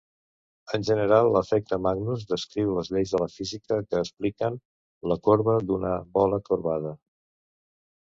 En general, l'efecte Magnus descriu les lleis de la física que expliquen la corba d'una bola corbada.